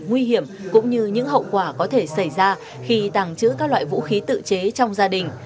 nguy hiểm cũng như những hậu quả có thể xảy ra khi tàng trữ các loại vũ khí tự chế trong gia đình